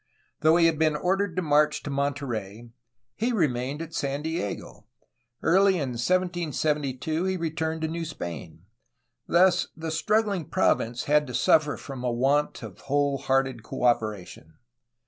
Though he had been ordered to march to Monterey, he remained at San Diego. Early in 1772 he re turned to New Spain. Thus the struggling province had to suffer from a want of whole hearted cooperation.